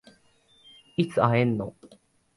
いつ会えんの？